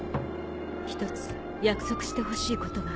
１つ約束してほしいことがある。